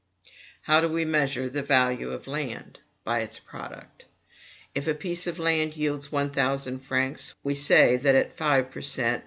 How do we measure the value of land? By its product. If a piece of land yields one thousand francs, we say that at five per cent.